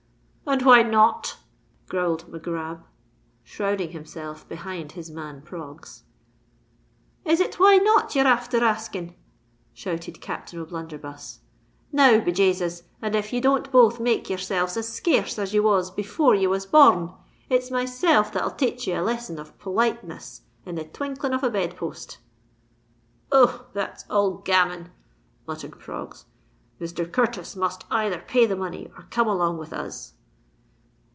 "And why not?" growled Mac Grab, shrouding himself behind his man Proggs. "Is it why not, ye're afther asking?" shouted Captain O'Blunderbuss. "Now, be Jasus! and if ye don't both make yourselves as scarce as ye was before ye was bor rn, it's myself that'll tayche ye a lesson of purliteness in the twinkling of a bed post." "Oh! that's all gammon," muttered Proggs. "Mr. Curtis must either pay the money or come along with us."